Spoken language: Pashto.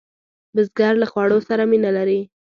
بزګر له خوړو سره مینه لري